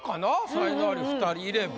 才能アリ２人いれば。